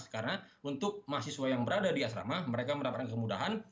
karena untuk mahasiswa yang berada di asrama mereka mendapatkan kemudahan